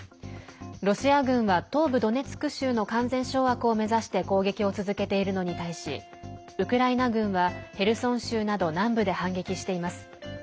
ロシア軍は東部ドネツク州の完全掌握を目指して攻撃を続けているのに対しウクライナ軍は、ヘルソン州など南部で反撃しています。